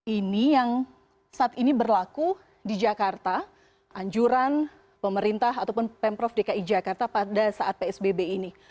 ini yang saat ini berlaku di jakarta anjuran pemerintah ataupun pemprov dki jakarta pada saat psbb ini